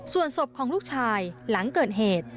ส่วนศพของลูกชายหลังเกิดเหตุ